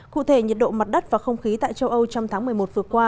cụ thể nhiệt độ mặt đất và không khí tại châu âu trong tháng một mươi một vừa qua